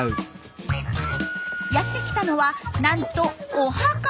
やってきたのはなんとお墓。